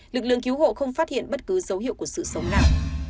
lực lượng cứu hộ không phát hiện bất cứ dấu hiệu của sự sống nào